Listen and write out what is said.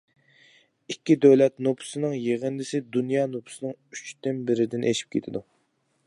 ئىككى دۆلەت نوپۇسىنىڭ يىغىندىسى دۇنيا نوپۇسىنىڭ ئۈچتىن بىرىدىن ئېشىپ كېتىدۇ.